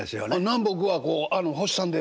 南北はこう星さんで。